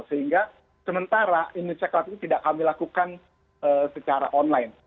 sehingga sementara indonesia class ini tidak kami lakukan secara online